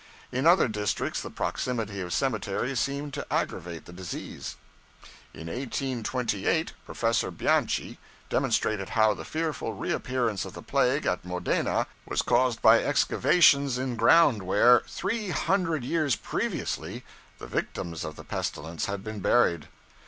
In other districts the proximity of cemeteries seemed to aggravate the disease. 'In 1828 Professor Bianchi demonstrated how the fearful reappearance of the plague at Modena was caused by excavations in ground where, three hundred years previously, the victims of the pestilence had been buried.